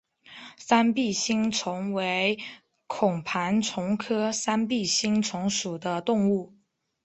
三臂星虫为孔盘虫科三臂星虫属的动物。